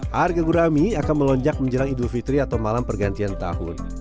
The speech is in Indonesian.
harga gurami akan melonjak menjelang idul fitri atau malam pergantian tahun